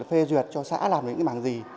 phê duyệt cho xã làm những bảng gì